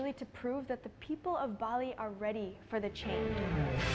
dan itu benar benar membuktikan bahwa orang bali siap untuk berbicara